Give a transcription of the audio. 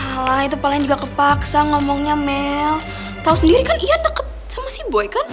ala itu paling juga kepaksa ngomongnya mel tahu sendiri kan iya deket sama si boy kan